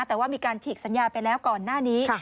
แต่ว่ามีการฉีกสัญญาไปแล้วก่อนหน้านี้